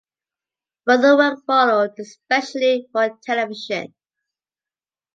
Further work followed, especially for television.